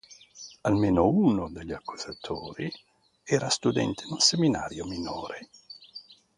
Almeno uno degli accusatori era studente in un seminario minore.